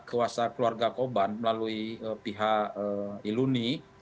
kuasa keluarga korban melalui pihak iluni